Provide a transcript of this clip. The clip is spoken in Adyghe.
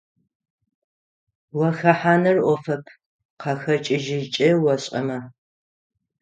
Уахэхьаныр Iофэп къахэкIыжьыкIэ ошIэмэ.